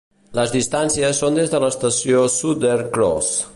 Les distàncies són des de l'estació Southern Cross.